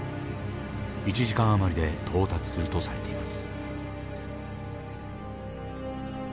１時間余りで到達するとされています。